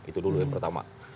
itu dulu yang pertama